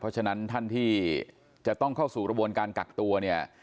เพราะฉะนั้นท่านที่จะต้องเข้าสู่กระบวนการกักตัวเนี่ย